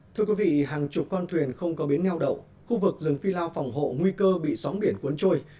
thưa quý vị hàng chục con thuyền không có biến neo đậu khu vực rừng phi lao phòng hộ nguy cơ bị sóng biển cuốn trôi